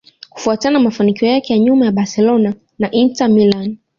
kufuatia mafanikio yake ya nyuma ya Barcelona na Inter Milan